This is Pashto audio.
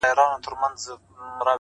پوهه د انسان ځواک زیاتوي